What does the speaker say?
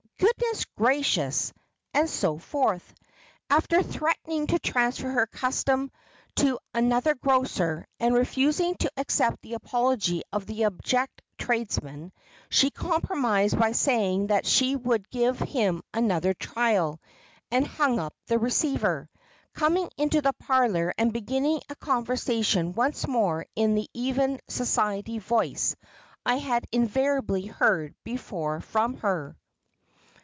"Goodness gracious!" and so forth. After threatening to transfer her custom to another grocer, and refusing to accept the apology of the abject tradesman, she compromised by saying that she would give him another trial, and hung up the receiver, coming into the parlor and beginning a conversation once more in the even society voice I had invariably heard before from her.